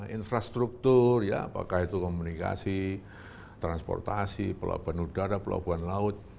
infrastruktur ya apakah itu komunikasi transportasi pelabuhan udara pelabuhan laut